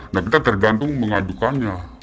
nah kita tergantung mengajukannya